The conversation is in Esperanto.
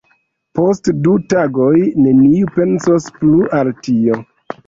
Post du tagoj neniu pensos plu al tio.